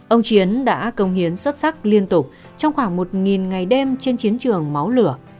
ông chiến đã công hiến xuất sắc liên tục trong khoảng một ngày đêm trên chiến trường máu lửa